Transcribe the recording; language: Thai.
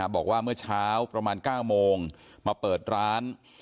บอกว่าเมื่อเช้าประมาณ๙โมงมาเปิดร้าน